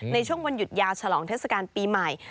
ในช่วงวันหยุดยาวฉลองเทศกาลปีใหม่